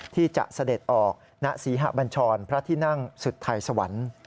ที่จะเสด็จออกณศรีหะบัญชรพระที่นั่งสุดไทยสวรรค์